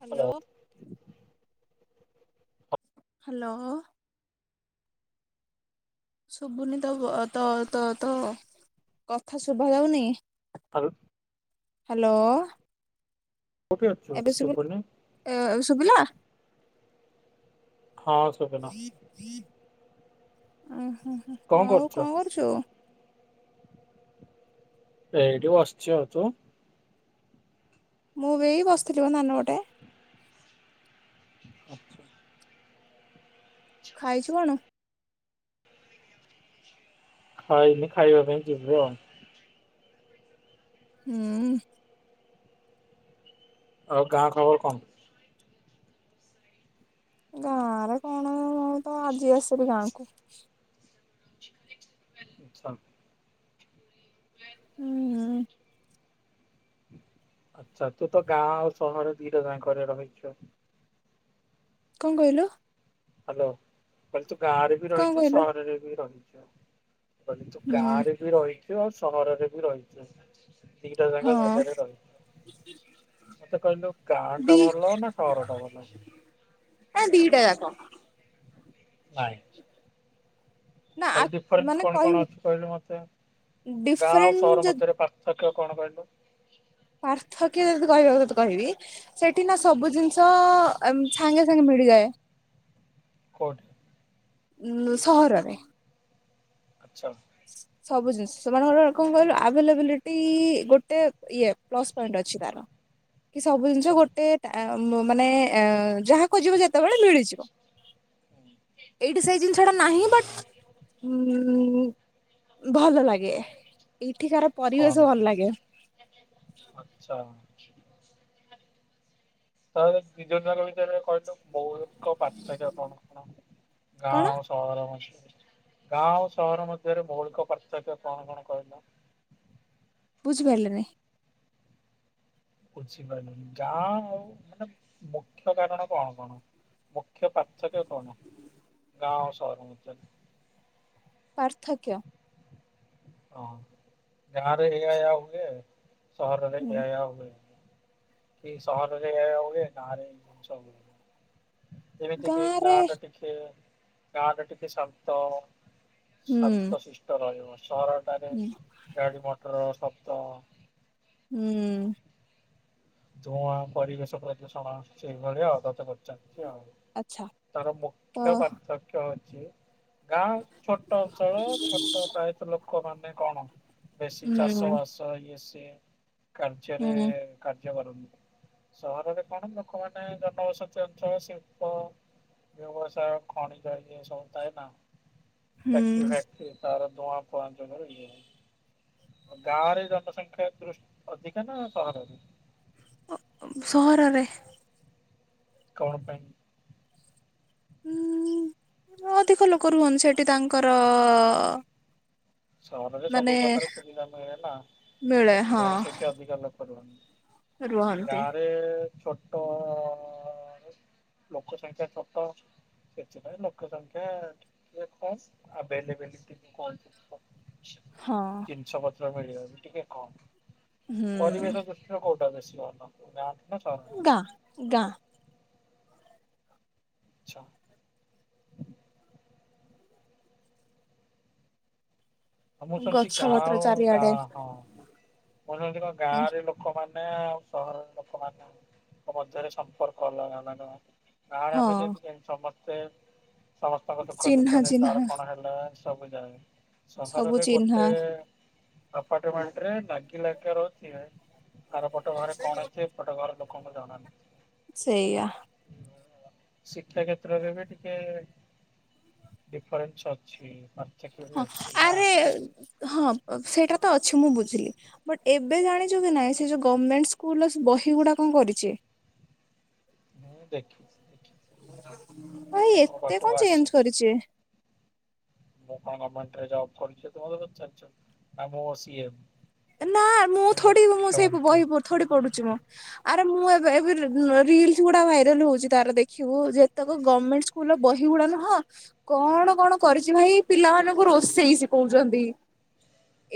Hello. Hello. ଶୁଭୁନି ତ-ତ-ତ-ତ କଥା ଶୁଭା ଯାଉନି। ହାଲ ହ୍ୟାଲୋ। କୋଉଠି ଅଛୁ ଏବେ ସୁବୁଲ ଶୁଭୁନି ଏବେ ସୁବିଲା? ହଁ ସୁବିଲା। ଉଁହୁ ଆଉ କରୁଛୁ? କଣ କରୁଚୁ? ଏଠି ବସଚି ତୁ? ମୁଁ ବି ଏଇ ବସିଥିଲି ମ ଦଣ୍ଡପଟେ। ଆଛା। ଖାଇଚୁ କଣ? ଖାଇନି ଖାଇବା ପାଇଁ ଯିବେ ଆଉ ହୁଁ। ଆ ଗାଁ ଖବର କଣ? ଗାଁ ରେ କଣ ଆଉ ମୁଁ ତ ଆଜି ଆସିଲି ଗାଁକୁ ଆଛା। ହୁଁ। ଆଛା ତୁ ତ ଗାଁ ଆଉ ସହର ଦିଇଟା ଯାକରେ ରହିଛୁ ଆ କଣ କହିଲ? ହାଲୋ କହିଲେ ତୁ ଗାଁରେ ବି କଣ ରହିଛୁ କହିଲୁ ସହରରେ ବି ରହିଛୁ। ମୁଁ କହିଲି ତୁ ହୁଁ ଗାଁ ରେ ବି ରହିଚୁ ଆଉ ସହରରେ ବି ରହିଚୁ। ଦିଇଟା ଯାଙ୍କ ହଁ ଜାଗାରେ ରହିଚୁ। ମତେ କହିଲୁ ଗାଁ ଦି ଟା ଭଲ ନା ସହର ଟା ଭଲ? ନା ଦିଟା ଯାକ ନାଇଁ। ନା ତାହଲେ ଡିଫରେନ୍ସ ମାନେ କଣ କଣ କହିବୁ ଅଛି। କହିଲୁ ମତେ? ଗାଁ ଓ ଡିଫରେଣ୍ଟ ସହର ଯଦି ମଧ୍ୟରେ ପାର୍ଥ କ୍ୟ କଣ କହିଲୁ? ପାର୍ଥକ୍ୟ ଯଦି କହିବା କଥା କହିବି। ସେଠି ନା ସବୁ ଜିନିଷ ସାଙ୍ଗେ ସାଙ୍ଗେ ମିଳ ମିଳିଯାଏ। କୋଉଠି? ନୁଁ ସହରରେ। ଆଛା। ସ ସବୁ ଜିନିଷ ସେମାନଙ୍କର କଣ କହିଲ ଆଭେଲେବିଲିଟି ଗୋଟେ ଇଏ ପ୍ଲସ ପଏଣ୍ଟ ଅ ଅଛି ତାର। କି ସବୁ ଜିନିଷ ଆଚ୍ଛା। ଗୋଟେ ଟା ଆ ମାନେ ଏ ଯାହାଖୁଯିବ ଯେତେବେଳେ ମିଳିଯିବ। ହୁଁ। ଏଇଠି ସେଇ ଜିନିଷଟା ନାହିଁ ବାଟ୍ ଉଁ ଭଲ ଲାଗେ। ଏଇଠିକାର କଣ ପରିବେଶ ଭଲ ଲାଗେ। ଆଚ୍ଛା ତ ଏବେ ଦିଇଜଣ ଯାଙ୍କ ଭିତରେ କହିଲୁ ମୋ କ ପାର୍ଥକ୍ୟ କଣ କଣ ଗାଁ କଣ ଓ ସହର ମ ଗାଁ ଓ ସହର ମଧ୍ୟରେ ମୌଳିକ ପାର୍ଥକ୍ୟ କଣ କଣ କହିଲ? ବୁଝିପାରିଲିନି? ବୁଝିପାରିଲିନି ଗାଁ ଆଉ ମାନେ ମୁଖ୍ୟ କାରଣ କଣ କଣ? ମୁଖ୍ୟ ପାର୍ଥକ୍ୟ କଣ ଗାଁ ଆଉ ସହର ମଧ୍ୟରେ? ପାର୍ଥକ୍ୟ? ହଁ ଗାଁ ରେ ଏଇଆ ଏଇଆ ହୁଏ। ସହରରେ ହୁଁ ଏଆ ଏଆ ହୁଏନି। କି ସହରରେ ଏଇଆ ଏଇଆ ହୁଏ ଗାଁ ରେ ଏମିତି ସବୁ ହୁଏ। ଏମିତିକି ଗାଁରେ ଗାଁ ଟା ଟିିକେ ଗାଁ ଟା ଟିିକେ ଶାନ୍ତ ହୁଁ ଶାନ୍ତ ସିଷ୍ଟ ରହିବ। ସହରଟାରେ ଗାଡି ମଟର ଶବ୍ଦ ହୁଁ। ଧୂଆଁ ପରିବେଶ ପ୍ରଦୂଷଣ ସେଇଭଳିଆ ଆଉ ତତେ ପଚାରୁ ଛିଆଉ ଆଚ୍ଛା ତାର ତ ମୁଖ୍ୟ ପାର୍ଥକ୍ୟ ଅଛି ଗାଁ ଛୋଟ ଅଞ୍ଚଳ ଛୋଟ ପ୍ରାୟତଃ ଲୋକ ମାନେ କଣ ବେଶୀ ଚାଷ ହୁଁ ବାସ ଇଏ ସିଏ କାର୍ଯ୍ୟରେ ହୁଁ କା ଯ୍ୟା କରନ୍ତି ସହରରେ କଣ ଲୋକମାନେ ଜନବସତି ଅଞ୍ଚଳ ଶିଳ୍ପ ବ୍ୟବସ୍ସାୟ ଖଣି ଜାଇ ଏସବୁଥାଏ ନା। ହୁଁ ଫ୍ୟାକ୍ଟରି ଫ୍ୟାକ୍ଟରି ତାର ଧୁଆଁଫୁଆ ଯୋଉ [unintelligible] ଗାଁରେ ଜନସଂଖ୍ୟା ଦୃଷ୍ ଅଧିକା ନା ସହରରେ? ସହରରେ। କଣ ପାଇଁ? ଉଁ-ଉଁ ଅଧିକ ଲୋକ ରୁହନ୍ତି ସେଠି ତାଙ୍କର। ସହରରେ ମାନେ ସବୁ ପ୍ରକାର ସୁବିଧା ମିଳେ ନାଁ ମିଳେ ହଁ ସେଥିପାଇଁ ସେଠି ଅଧିକା ଲୋକ ରୁହନ୍ତି। ରୁହନ୍ତି ଗାଁରେ ଛୋଟ ଅ ଲୋକ ସଂଖ୍ୟା ସତ ସେଥିପାଇଁ ଲୋକ ସଂଖ୍ୟା ଟିକିଏ କମ୍ ଆଭେଲେବଟି କମ୍। ହଁ ଜିନିଷ ପତ୍ର ମିଳିିବ ଟିକେ କମ୍ ପରିବେଶ ହୁଁ ଦୃଷ୍ଟିରୁ କୋଉୁ ଏକାଦଶୀ ଅନ୍ନ କୁ ନାହାନ୍ତି। ଗାଁ ଗାଁ ଆଛା। ମୁଁ ଶୁଣିଛି ଗଛ ଗାଁ ପତ୍ର ଆଉ ଚାରିଆଡେ ଗାଁ ହଁ ମୁଁ ଶୁଣିଛି କଣ ଗାଁରେ ଲୋକମାନେ- ମାନେ ସହରର ଲୋକମାନଙ୍କ ମଧ୍ୟରେ ସମ୍ପର୍କ ଅଲଗା ନାଁ କଣ? ଗାଁରେ ହଁ ଆମେ ଯେମିତି ସମସ୍ତେ ସମସ୍ତଙ୍କ ଦୁଃଖ ଦୁଃଖ ଚିହ୍ନା ନେଇ ଚିହ୍ନା କାହାର କଣ ହେଲେ ସବୁ ଯାଏ ସବୁ ସହରରେ ଚିହ୍ନା ଗୋଟେ ଆପାର୍ଟମେଣ୍ଟରେ ଲାଗି ଲାଗିକା ରହୁଛି ହେ ଆର ପଟ ଘରେ କଣ ହେଇଛି ଏ ପଟ ଘର ଲୋକ କଣ ଜଣାନାହିଁ। ସେଇଆ ଶିକ୍ଷା କ୍ଷେତ୍ରରେ ବି ଟିକେ ଡିଫରେନ୍ସ ଅଛି। ହଁ ଚା [inaudible] ଆରେ ହଁ ସେ ସେଇଟା ତ ଅଛି ମୁଁ ବୁଝିଲି ବଟ ଏବେ ଜାଣିଛୁ କି ନାଇଁ ସେ ଯୋଉ ଗମେଣ୍ଟ ସ୍କୁଲର ସେ ବହି ଗୁଡା କଣ କରିଛି। [inaudible] ମୁଁ ଦେଖିଛି ଦେଖିଛି ପୁଣି ମୋ ଏତେ ପାଖକୁ କଣ ଚେଞ୍ଜ ଆସିଛି। କରିଛି ମୁଁ କଣ ଗମେଣ୍ଟ ରେ ଜବ କରଛି ତମେ ମତେ ପଚାରୁଛ ଆ ମୁଁ ସିଏ ନାଁ ମୁଁ ଥୋଡି ମୁଁ ସେଇ ବହି ଥୋଡି ପଢୁଛି ମୁଁ ମୁଁ ଏବେ ଏବେ ରି ରିଲ୍ସ ଗୁଡା ଭାଇରାଲ ହଉଛି ତାର ଦେଖିବୁ ଯେତେକ ଗମେଣ୍ଟ ସ୍କୁଲର ବହିଗୁଡା ହଁ କଣ କଣ କରିଛି ଭାଇ ପିଲାମାନଙ୍କୁ ରୋଷେଇ ଶିଖଉଛନ୍ତି।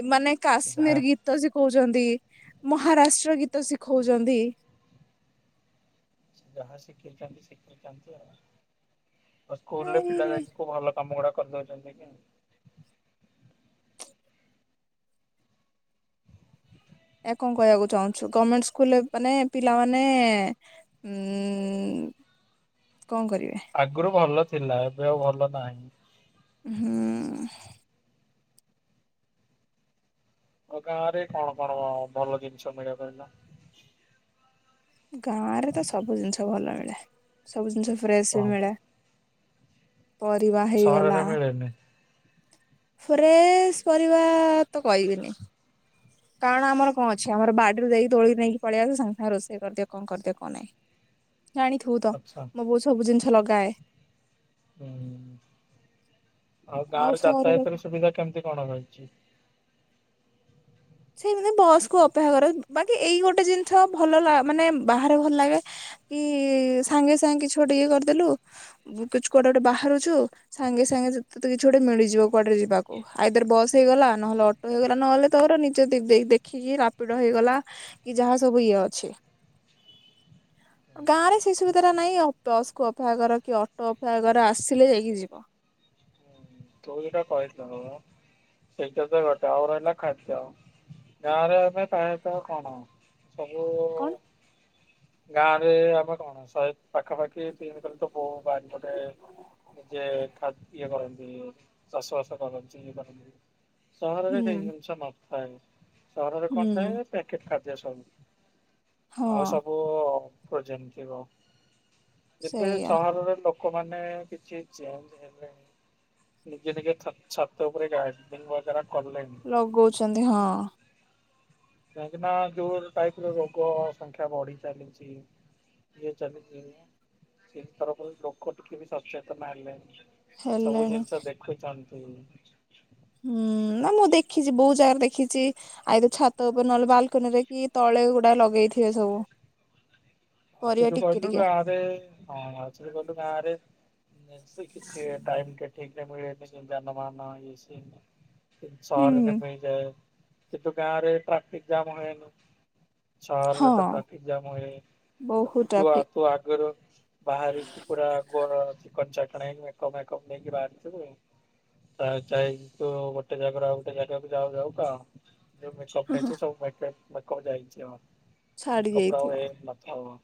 ଏମାନେ ସେ ଯାହା କାଶ୍ମୀର ଗୀତ ଶିଖଉ ଛନ୍ତି ମହାରାଷ୍ଟ୍ର ଗୀତ ଶିଖଉଛନ୍ତି। ସେ ଯାହା ଶିଖିଛନ୍ତି ଶିଖଉଛନ୍ତି ଆଉ ଆଉ ସ୍କୁଲରେ ଆରେ ପିଲା ଯାଇ କୋଉ ଭଲ କାମ ଗୁଡା କରିଦେଉଛନ୍ତି କି। ଏହା କଣ କହିବାକୁ ଚାହୁଁଛୁ ଗର୍ମେଣ୍ଟ ସ୍କୁଲରେ ମାନେ ପିଲାମାନେ ଉଁ [inaudible] ଆଗରୁ ଭଲ ଥିଲା ଏବେ ଆଉ ଭଲ ନାହିଁ। ହୁଁ ଆଉ ଗାଁରେ କଣ କଣ ଭଲ ଜିନିଷ ମିଳେ କହିଲ? ଗାଁରେ ତ ସବୁ ଜିନିଷ ଭଲ ମିଳେ ସବୁ ଜିନିଷ ଫ୍ରେସ ବି କଣ ମିଳେ। ପରିବା ହେଇଗଲା ସହରରେ ମିଳେନି। ଫ୍ରେଶ ପରିବା ତ କହିବିନି। କାରଣ ଆମର କଣ ଅଛି ଆମର ବାଡିରୁ ଯାଇକି ତୋଳିିକି ନେଇକି ପଳେଇଆସ ସାଙ୍ଗେ ସାଙ୍ଗେ ରୋଷେଇ କରିଦିଅ କଣ କରିଦିଅ କଣ ନାହିଁ। ଜାଣିଥିବୁ ତ ଆଚ୍ଛା ମୋବୋଉ ସବୁ ଜିନିଷ ଲଗାଏ। ହୁଁ। ଆଉ ଗାଁର ଯାତାୟତ ର ସୁବିଧା କେମିତି କଣ ରହିଛି? ସେଇ ମାନେ ବସ୍ କୁ ଅପେକ୍ଷା କର ବାକି ଏଇ ଗୋଟେ ଜିନିଷ ଭଲ ମାନେ ବାହାରେ ଭଲ ଲାଗେ କି ସାଙ୍ଗେ ସାଙ୍ଗେ କିଛି ଗୋଟେ ଟିକେ କରିଦେଲୁ କିଛି କୁଆଡେ ଗୋଟେ ବାହାରୁଛୁ ସାଙ୍ଗେ ସାଙ୍ଗେ ତତେ କିଛି ଗୋଟେ ମିଳିଯିବ କୁଆଡେ ଯିବ ଯିବାକୁ ଆଇଦର ବସ ହେଇଗଲା ନହେଲେ ଅଟୋ ହେଇଗଲା ନହେଲେ ତୋର ଯଦିଦେ ଦେ ଦେଖିକି ରାପିଡ ହେଇଗଲା କି ଯାହା ସବୁ ଇଏ ଅଛି। ହ [inaudible] ଗାଁ ରେ ସେଇ ସୁବିଧା ଟା ନାହିଁ ଆଉ ବସ୍ କୁ ଅପେକ୍ଷା କର କି ଅଟୋ ଅପେକ୍ଷା କର ଆସିଲେ ଯାଇକି ଯିବ। [inaudible] ତୁ ହୁଁ ଯୋଉଟା କହିଥିଲୁ ମ ସେଇଟା ତ ଗୋଟେ ଆଉ ରହିଲା ଖାଦ୍ୟ, ଗାଁରେ ଆମେ ପ୍ରାୟତଃ କଣ ସବୁ କଣ ଗାଁରେ ଆମେ କଣ, ଶହେ ପାଖାପାଖି ତିନି ବୋଉ ବାରିପଟେ ନିଜେ ଇଏ କରନ୍ତି ଚାଷବାସ କରନ୍ତି, ପାଖାପାଖି ସହରରେ ସେଇ ହୁଁ ଜିଣିଷ ନଥାଏ। ସହରରେ କଣ ହୁଁ ଥାଏ ପ୍ୟାକେଟ ଖାଦ୍ୟ ସବୁ, ଆଉ ହଁ ସବୁ ଫ୍ରୋଜନ ଥିବ, ଯେବେ ସେଇଆ ସହରର ଲୋକ ଲୋକମାନେ କିଛି ଚେଞ୍ଜ ହେଲେଣି। ନିଜେ ନିଜେ ଛାତ ଉପରେ ଗାର୍ଡେନିଙ୍ଗ ବଗେରା କଲେଣି। ଲଗଉଛନ୍ତି ହଁ। କାହିଁକି ନା ଯୋଉ ଟାଇପର ରୋଗ ସଂଖ୍ୟା ବଢି ଚାଲିଛି। ଇଏ ଚାଲିଛି, ସେଇ ତରଫରୁ ଲୋକ ଟିକେ ବି ସଚେତନ ହେଲେ ସବୁ ହେଲେଣି ଜିନିଷ ଦେଖୁଛନ୍ତି। ହୁଁ। ନା ମୁଁ ଦେଖିଛି ବହୁତ ଜାଗାରେ ଦେଖିଛି ଆଇ ତ ଛାତ ଉପରେ ନହେଲେ ବାଲକନି ରେ କି ତଳେ ଗୁଡା ଲଗେଇ ଥିବେ ସବୁ। ଆକଚଲି ପରିବା କଣ୍ ଟିକେ ହେଇଚି ନା ଟିକେ ଗାଁ ରେ, ହଁ ଆକଚଲି କଲୁ ଗାଁ ରେ କିଛି କିଛି ଟାଇମ ଟେ ଠିକରେ ମିଳେନି ଜାନ ବାହନ ଇଏ ସିଏ ସହରରେ ମିଳିଯାଏ, କିନ୍ତୁ ଗାଁରେ ଟ୍ରାଫିକ ଜାମ ହୁଏନି। ହଁ ଚାର ତ ଟ୍ରାଫିକ ଜାମ ହୁଏ। ବହୁତ ଯିବ ଟ୍ରାଫିକ ତୁ ଆଗରୁ ବାହାରି ପୁରା ଗର ଚିକଣ ଚାକଣ୍ ହେଇ ମେକ ଅପ ଫେକ୍ ଅପ୍ ନେଇକି ବାହାରି ଥିବୁ ଆଉ। ତା ଯାଇକି ତୁ ଗୋଟେ ଜାଗାରେ ଆଉ ଗୋଟେ ଜାଗାକୁ ଯାଉ ଯାଉ କା ଯୋଉ ମେକ ଅପ୍ ନେଇଚୁ ସବୁ ମେକ୍ ମେକ ମେକ ଅପ୍ ଯାଇଛି ଆଉ, ଛାଡି ମେକ ଅପ୍ ର ଆଉ ଯାଇଥିବ ଏମ୍ ନଥିବ।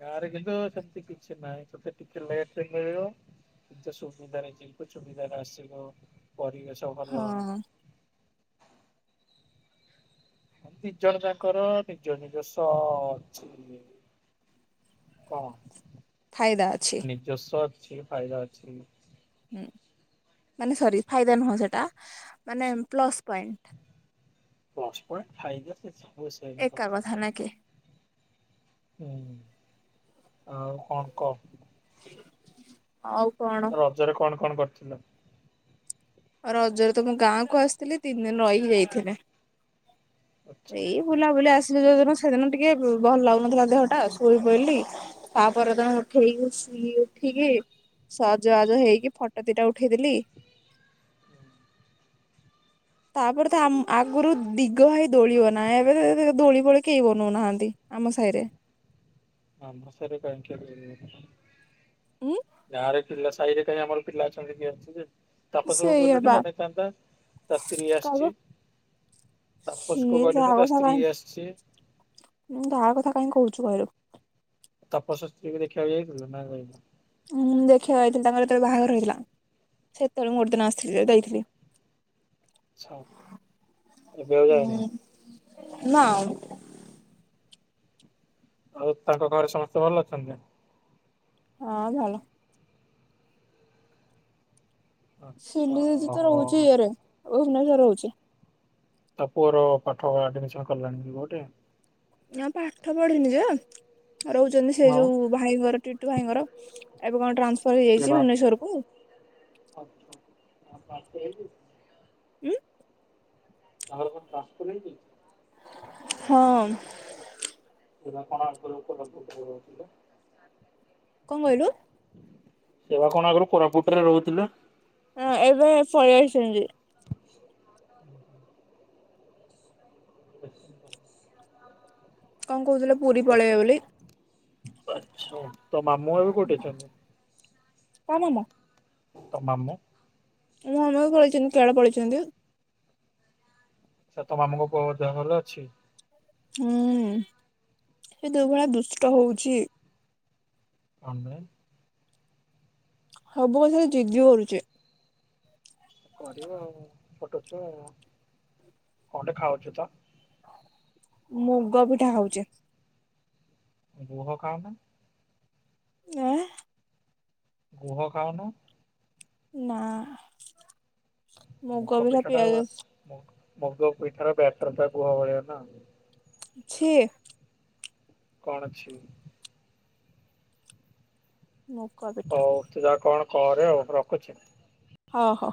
ଗାଁରେ କିନ୍ତୁ ସେମତି କିଛି ନାହିଁ, ତତେ ଟିକେ ଲେଟରେ ମିଳିବ। କିନ୍ତୁ ସୁବିଧାରେ ଯିବୁ, ସୁବିଧାରେ ଆସିବୁ ପରିବେଶ ଭଲ। ହଁ ଦି ଜଣ ଯାଙ୍କର ନିଜ ନିଜସ୍ଵ ଅଛି। କଣ? ଫାଇଦା ଅଛି। କି ଫାଇଦା ଅଛି। ମାନେ ସରି ଫାଇଦା ନୁହଁ ସେଟା, ମାନେ ପ୍ଲସ ପଏଣ୍ଟ। ପ୍ଲସ ପ୍ୟାଣ୍ଟ ଫାଇଦା ସେ ଏକା କଥା ନା କି? ହୁଁ ଆଉ କଣ କ। ହଉ। ତାର ରଜ ରେ କଣ କଣ କରିଥିଲ? ଆଉ ରଜରେ ତ ମୁ ଗାଁ କୁ ଆସିଥିଲି ତିନି ଦିନ ରହିକି ଯାଇଥିଲି। ଆଚ୍ଛା। ଏଇ ବୁଲାବୁଲି ଆସ ଯଦିନ ସେଦିନ ଟିକେ ଭଲ ଲାଗୁନଥିଲା ଦେହ ଟା ଶୋଇ ପଇଲି ତାପର ଦିନ ଉଠେଇକି ଟିକେ ଉଠିକି ସଜବାଜ ହେଇକି ଫଟୋ ଦିଟା ଉଠେଇ ଦେଲି। ତାପରେ ତ ଆମ ଆଗରୁ ଦିଗ ହୋଇ ଦୋଳି ବାନା ହୁଏ, ଏବେ ଦୋଳି ଫୋଳି କେହି ବନଉନାହାନ୍ତି। ଆମ ସାହିରେ। ଆମ ସାହିରେ କାଇଁ କିଏ ଦୋଳି ଲଗାଉଛି, ଉଁ ଗାଁ ରେ ଥିଲା ସାହିରେ କାଇଁ ଆମର ପିଲା ଅଛନ୍ତି କିଏ ଅଛି ଯେ ତାପ ସବୁ ସେଇଆ କଲେଣିି ବା ମନେ ଚାତା ତା ସ୍ତ୍ରୀ କହିବ ଆସଛି। ତାପସ କୁ ସିଏ କହିଲନି ତା ସ୍ତ୍ରୀ ଆସଛି। ମୁଁ ତା କଥା କାହିଁ କହୁଛୁ କହିଲୁ? ତାପସ ସ୍ତ୍ରୀ କୁ ଦେଖିବାକୁ ଯାଇଥିଲୁ ନା ଯାଇନୁ? ଦେଖିବାକୁ ଯାଇଥିଲି ତାଙ୍କର ଯେତେବେଳେ ବାହା ଘର ହେଇଥିଲା। ସେତେବେଳେ ମୁ ଗୋଟେଦିନ ଆସିଥିଲି ଯେତେ ବେଳେ ଥିଲି। ଛ ଏବେ ଆଉ ଯାଇନ। ନାଇ। ଆଉ ତାଙ୍କ ଘରେ ସମସ୍ତେ ଭଲ ଅଛନ୍ତି। ହଁ ଭଲ। ଆଚ୍ଛା ସିଲି ଦିଦି ତ ରହୁଛି ହଁ ଇଏରେ ଭୁବନେଶର ରହୁଛି। ତା ପୁଅର ପାଠ ଆଡମିସନ କଲାଣି କି କୋଉଠି। ନାଁ ପାଠ ପଢିନି ଯେ ରହୁଛନ୍ତି ସେ ଆଉ ଯୋଉ ଭାଇଙ୍କର ଟିଟୁ ଭାଇଙ୍କର। ଏବେ କଣ ଟ୍ରାନ୍ସଫର୍ ଏ ହେଇଯାଇଛି ବା ଭୁବନେଶ୍ଵର କୁ। ତାଙ୍କର ଟ୍ରାଂଶପର ହେଇଯାଇଛି। ଉଁ। ତାଙ୍କର କଣ ଟ୍ରାଶପର ହେଇଯାଇଛି। ହଁ। ସେ ବା କଣ ଆଗରୁ କୋରାପୁଟ ରେ ରହୁଥିଲେ। କଣ କହିଲୁ ସେବା କଣ ଆଗରୁ କୋରାପୁଟ ରେ ରହୁଥିଲେ। ହଁ ଏବେ ପଳେଇ ଆଈଚନ୍ତି। ହ ଆଛା। କଣ କହୁଥିଲ। ଆଛା ତୋ ମାମୁଁ ଏବେ କୋଉଠି ଅଛନ୍ତି। କା ମାମୁଁ। ତୋ ମାମୁଁ। ମୁଁ ମାମୁଁ ବି ପଳେଇଛନ୍ତି କରେଳ ପଳେଇଛନ୍ତି। ଆଛା ତୋ ମାମୁଁ ଙ୍କ ପୁଅ ଦେହ ଭଲ ଅଛି। ହୁଁ ସେ ଯୋଉ ଭଳିଆ ଦୁଷ୍ଟ ହଉଛି। କଣ ପାଇଁ। ସବୁ କଥାରେ ଜିଦି କରୁଚି। କରିବ ଆଉ ଛୋଟ ଛୁଆ ଆଉ କଣ ଗୋଟେ ଖାଉଚୁ ତ। ମୁଗ ପିଠା ଖାଉଛି। ଗୁହ ଖାଉନୁ। ଏଁନ। ଗୁହ ଖାଉନୁ। ନା। ମୁଗ ପିଠା ପିଠାଟା। ପିଆଜ ମୁଗ ପିଠା ର ବ୍ୟାଟର ଟା ଗୁହ ଭଳିଆ ନା। ଛି। କଣ ଛି। ମୁଗ ପିଠା। ହଉ ତୁ ଯା କଣ କରେ ଆଉ ରଖୁଛି। ହଉ ହଉ।